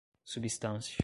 substância